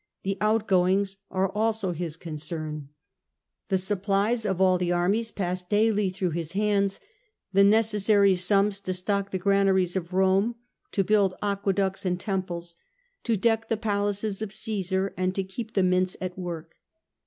The outgoings are also his concern. The supplies of all the armies pass daily through his hands, the necessary sums to stock the granaries of Rome, to build aqueducts and temples, to deck the palaces of Caesar, and to keep the mints at work.